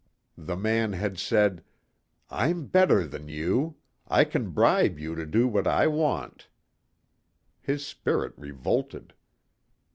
The man had said, "I'm better than you. I can bribe you to do what I want." His spirit revolted.